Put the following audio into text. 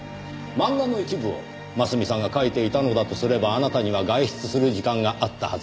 漫画の一部をますみさんが描いていたのだとすればあなたには外出する時間があったはずです。